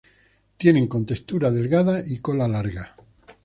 Tienen contextura delgada y cola larga.